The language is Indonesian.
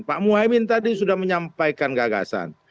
pak muhaymin tadi sudah menyampaikan gagasan